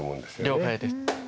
了解です。